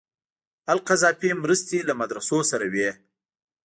القذافي مرستې له مدرسو سره وې.